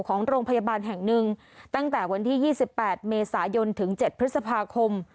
ของโรงพยาบาลแห่งหนึ่งตั้งแต่วันที่๒๘เมษายนถึง๗พฤษภาคม